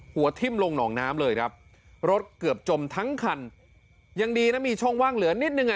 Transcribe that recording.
หัวทิ้มลงหนองน้ำเลยครับรถเกือบจมทั้งคันยังดีนะมีช่องว่างเหลือนิดนึงอ่ะ